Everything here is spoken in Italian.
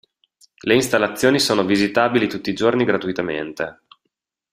Le installazioni sono visitabili tutti i giorni gratuitamente.